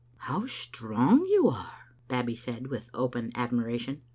"How strong you are!" Babbie said with open admiration.